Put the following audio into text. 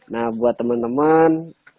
nah buat teman teman